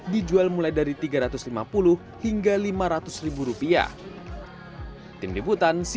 dijual mulai dari rp tiga ratus lima puluh hingga rp lima ratus